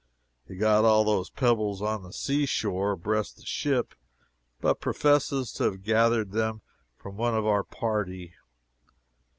He got all those pebbles on the sea shore, abreast the ship, but professes to have gathered them from one of our party.